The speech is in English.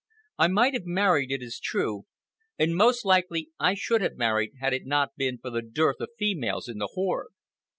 I might have married, it is true; and most likely I should have married had it not been for the dearth of females in the horde.